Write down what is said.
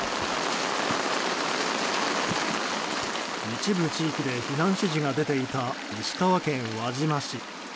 一部地域で避難指示が出ていた石川県輪島市。